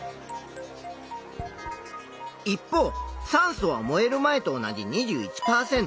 一方酸素は燃える前と同じ２１％。